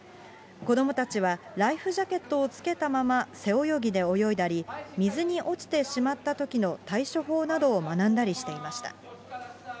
子どもたちは、ライフジャケットを着けたまま背泳ぎで泳いだり、水に落ちてしまったときの対処法などを学んだりしていました。